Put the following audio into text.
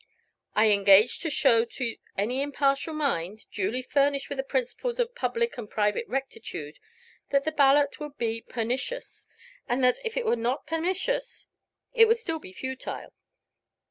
I engage to show to any impartial mind, duly furnished with the principles of public and private rectitude, that the ballot would be pernicious, and that if it were not pernicious, it would still be futile.